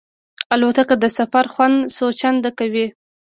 الوتکه د سفر خوند څو چنده کوي.